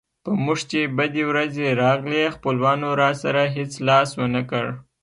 په موږ چې بدې ورځې راغلې خپلوانو راسره هېڅ لاس ونه کړ.